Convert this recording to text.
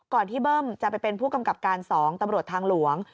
ที่เบิ้มจะไปเป็นผู้กำกับการ๒ตำรวจทางหลวง